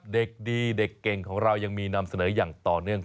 เด็กดีเด็กเก่งของเรายังมีนำเสนออย่างต่อเนื่อง